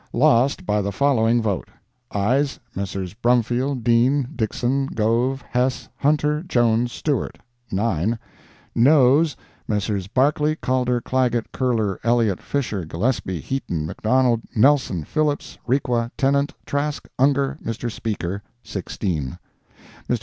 Lost, by the following vote: AYES—Messrs. Brumfield, Dean, Dixson, Gove, Hess, Hunter, Jones, Stewart—9. NOES—Messrs. Barclay, Calder, Clagett, Curler, Elliott, Fisher, Gillespie, Heaton, McDonald, Nelson, Phillips, Requa, Tennant, Trask, Ungar, Mr. Speaker—16. Mr.